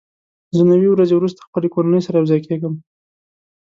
زه نوي ورځې وروسته خپلې کورنۍ سره یوځای کېږم.